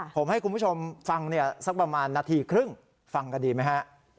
ผมให้คุณผู้ชมฟังเนี่ยสักประมาณนาทีครึ่งฟังกันดีไหมฮะ